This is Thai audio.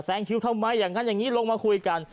คิวทำไมอย่างนั้นอย่างนี้ลงมาคุยกัน